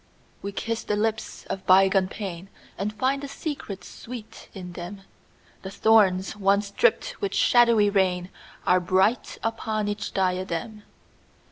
We kiss the lips of bygone painAnd find a secret sweet in them:The thorns once dripped with shadowy rainAre bright upon each diadem.